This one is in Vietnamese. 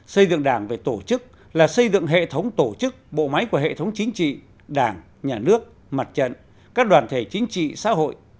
xây dựng đảng về tổ chức là xây dựng hệ thống tổ chức bộ máy của hệ thống chính trị đảng nhà nước mặt trận các đoàn thể chính trị xã hội